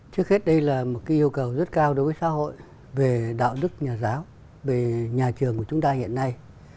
trước hết đây là một yêu cầu rất cao đối với xã hội về đạo đức nhà giáo về nhà trường của chúng ta hiện nay